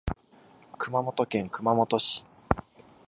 熊本県熊本市